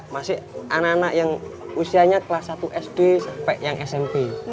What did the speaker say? masih anak anak yang usianya kelas satu sd sampai yang smp